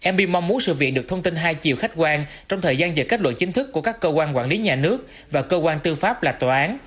mb mong muốn sự việc được thông tin hai chiều khách quan trong thời gian dựa kết luận chính thức của các cơ quan quản lý nhà nước và cơ quan tư pháp là tòa án